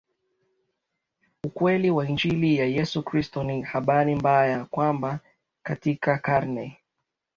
ukweli wa Injili ya Yesu Kristo Ni habari mbaya kwamba katika karne